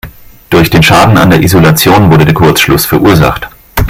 Durch den Schaden an der Isolation wurde der Kurzschluss verursacht.